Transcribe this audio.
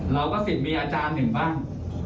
เราก็สิทธิ์มีอาจารย์หนึ่งบ้าง